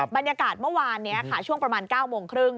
บรรยากาศเมื่อวานนี้ค่ะช่วงประมาณ๙โมงครึ่ง